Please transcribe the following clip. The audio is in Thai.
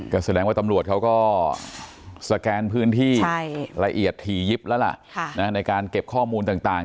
ก็แสดงว่าตำรวจเขาก็สแกนพื้นที่ละเอียดถี่ยิบแล้วล่ะในการเก็บข้อมูลต่าง